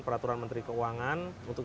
peraturan menteri keuangan untuk